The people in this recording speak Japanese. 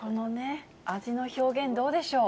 味の表現どうでしょう。